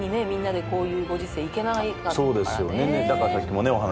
みんなでこういうご時世行けなかったからね。